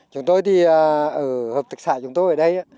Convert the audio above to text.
chúng tôi thì ở hợp tác xã chúng tôi ở đây